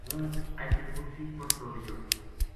ہوں ایت الکرسی پڑھتو رہیو